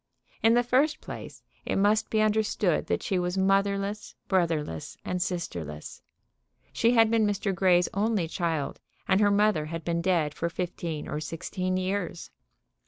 In the first place, it must be understood that she was motherless, brotherless and sisterless. She had been Mr. Grey's only child, and her mother had been dead for fifteen or sixteen years.